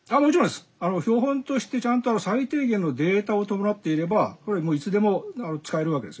標本としてちゃんと最低限のデータを伴っていればこれはもういつでも使えるわけですよね。